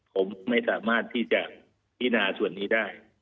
ผมไม่สามารถที่จะพินาส่วนนี้ได้